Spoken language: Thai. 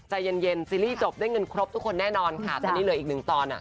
ใจเย็นเย็นซีรีส์จบได้เงินครบทุกคนแน่นอนค่ะตอนนี้เหลืออีกหนึ่งตอนอ่ะ